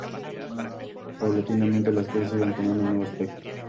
Paulatinamente las cosas iban tomando nuevo aspecto.